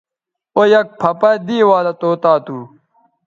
او یک پَھہ پہ دے والہ طوطا تھو